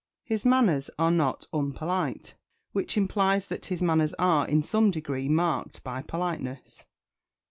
"His manners are not unpolite," which implies that his manners are, in some degree, marked by politeness.